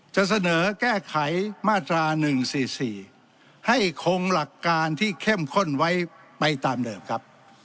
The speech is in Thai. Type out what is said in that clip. จะเสนอแก้ไขมาตรา๑๔๔ให้คงหลักการที่เข้มข้นไว้ไปตามเดิมครับ